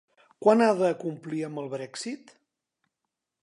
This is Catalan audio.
Quan ha d'acomplir amb el Brexit?